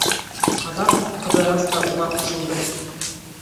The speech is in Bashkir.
Аҙаҡ Ҡыҙырас та уға ҡушылды.